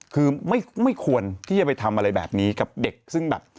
คือไม่ควรที่จะไปทำอะไรแบบนี้กับเด็กซึ่งแบบ